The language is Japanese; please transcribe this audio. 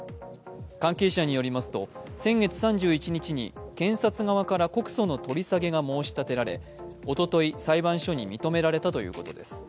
関係者によりますと、先月３１日に検察側から告訴の取り下げが申し立てられおととい裁判所に認められたということです。